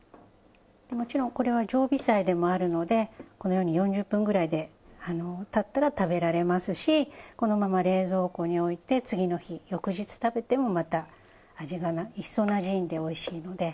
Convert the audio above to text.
もちろんこれは常備菜でもあるのでこのように４０分ぐらい経ったら食べられますしこのまま冷蔵庫に置いて次の日翌日食べてもまた味が一層なじんでおいしいので。